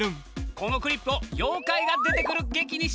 このクリップを妖怪が出てくる劇にしちゃうぞ！